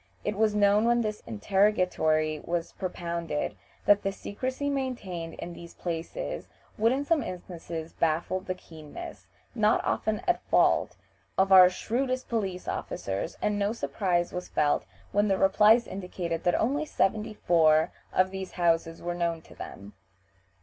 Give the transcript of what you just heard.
It was known when this interrogatory was propounded that the secrecy maintained in these places would in some instances baffle the keenness, not often at fault, of our shrewdest police officers, and no surprise was felt when their replies indicated that only seventy four (74) of these houses were known to them.